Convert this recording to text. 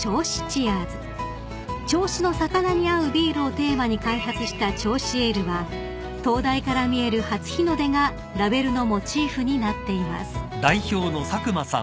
［銚子の魚に合うビールをテーマに開発した銚子エールは灯台から見える初日の出がラベルのモチーフになっています］